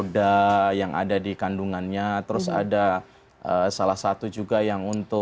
tidak ada tugas lagi